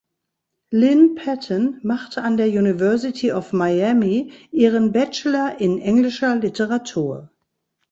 Lynne Patton machte an der University of Miami ihren Bachelor in Englischer Literatur.